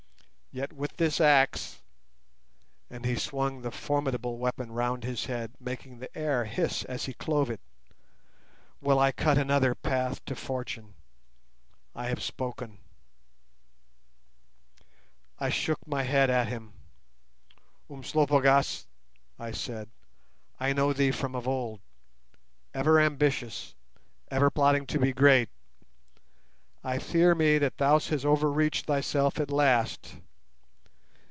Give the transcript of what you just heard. Yet with this axe"—and he swung the formidable weapon round his head, making the air hiss as he clove it—"will I cut another path to fortune. I have spoken." One of the fleetest of the African antelopes.—A. Q. I shook my head at him. "Umslopogaas," I said, "I know thee from of old. Ever ambitious, ever plotting to be great, I fear me that thou hast overreached thyself at last.